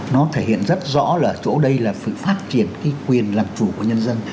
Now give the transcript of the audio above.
nó thể hiện rất rõ là chỗ đây là sự phát triển cái quyền làm chủ của nhân dân